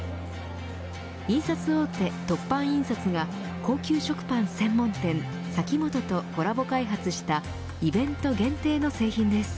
印刷大手、凸版印刷が高級食パン専門店嵜本とコラボ開発したイベント限定の製品です。